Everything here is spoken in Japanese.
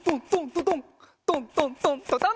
トントントントトン。